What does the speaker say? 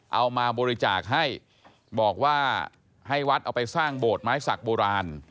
เอามาบริจาคให้บอกว่าให้วัดเอาไปสร้างโบสถ์ไม้สักโบราณ